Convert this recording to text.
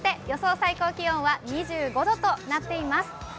最高気温は２５度となっています。